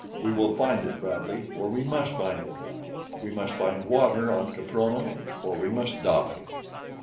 We will find it, Bradley, for we must find it. We must find water on Caprona, or we must die."